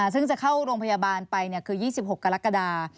ซึ่งจะเข้าโรงพยาบาลไปคือ๒๖กรกฎา